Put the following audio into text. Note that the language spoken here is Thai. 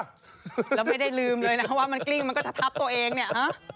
แล้วไม่ได้ลืมเลยนะคะว่ามันกลิ้งมันก็จะทับตัวเองเนี่ยฮะ